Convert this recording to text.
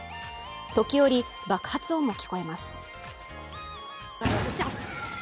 時折、爆発音も聞こえます。